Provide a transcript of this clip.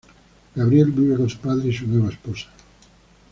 Gabriel vive con su padre y su nueva esposa.